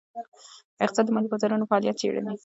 اقتصاد د مالي بازارونو فعالیت څیړي.